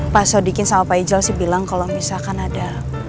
pasodikin sama pak ijel sih bilang kalo misalkan ada